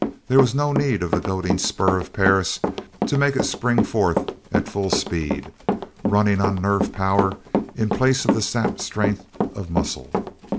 There was no need of the goading spur of Perris to make it spring forth at full speed, running on nerve power in place of the sapped strength of muscle.